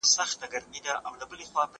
زه له سهاره ليکلي پاڼي ترتيب کوم!